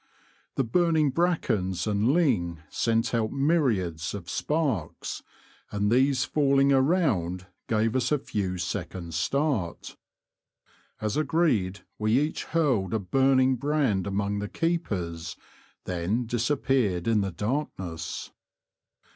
The burning brackens and ling sent out myriads of sparks, and these falling around gave us a few seconds' start. As agreed, we each hurled a burning brand among the keepers, then disap peared in the darkness.